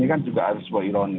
ini kan juga ada sebuah ironi